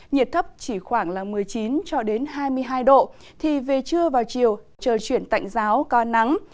nhiệt thấp chỉ khoảng một mươi chín hai mươi hai độ thì về trưa vào chiều chờ truyền tạnh giáo cao nắng